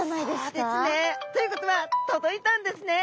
そうですね。ということは届いたんですね。ね！